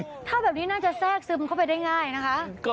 ถ้าแบบนี้น่าจะแทรกซึมเข้าไปได้ง่ายนะคะ